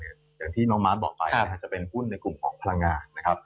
อย่างที่น้องมาสบอกไปจะเป็นหุ้นในกลุ่มของผลังงาน